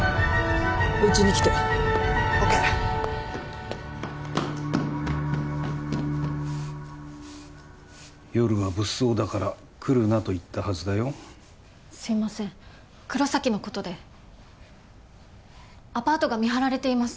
うちに来て☎ＯＫ夜は物騒だから来るなと言ったはずだよすいません黒崎のことでアパートが見張られています